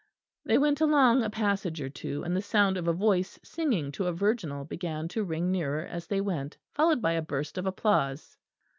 They went along a passage or two, and the sound of a voice singing to a virginal began to ring nearer as they went, followed by a burst of applause.